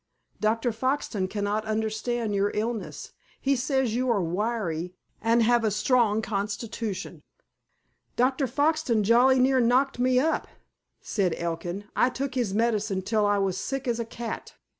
Dr. Foxton cannot understand your illness. He says you are wiry, and have a strong constitution." "Dr. Foxton jolly near knocked me up," said Elkin. "I took his medicine till I was sick as a cat."